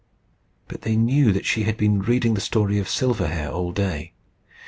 But they knew that she had been reading the story of Silverhair all day.